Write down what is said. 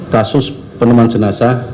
kasus penuman jenasa